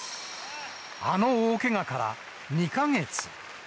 あの大けがから２か月。